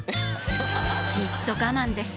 じっと我慢です